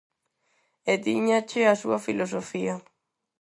E tíñache a súa filosofía.